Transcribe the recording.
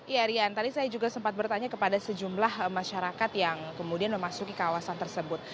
iya rian tadi saya juga sempat bertanya kepada sejumlah masyarakat yang kemudian memasuki kawasan tersebut